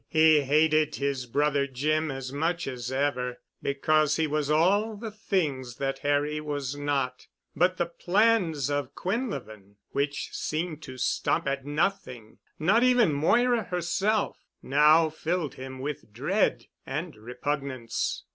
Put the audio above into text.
He hated his brother Jim as much as ever, because he was all the things that Harry was not, but the plans of Quinlevin which seemed to stop at nothing, not even Moira herself, now filled him with dread and repugnance.